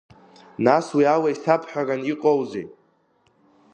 Нас уи ала исабҳәаран иҟоузеи?